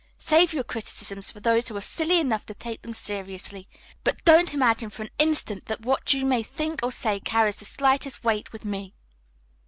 Save your criticisms for those who are silly enough to take them seriously, but please don't imagine for an instant that what you may think or say carries the slightest weight with me."